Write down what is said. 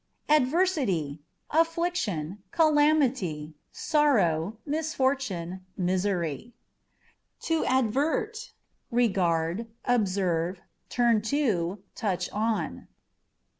Adversity â€" affliction, calamity, sorrow, misfortune, misery. To Advert â€" regard, observe, turn to, touch on.